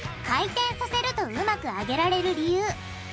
回転させるとうまく揚げられる理由。